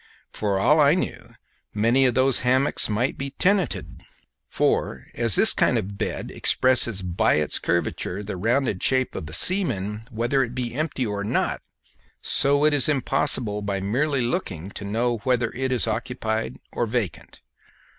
For all I knew many of those hammocks might be tenanted; for as this kind of bed expresses by its curvature the rounded shape of a seaman, whether it be empty or not, so it is impossible by merely looking to know whether it is occupied or vacant.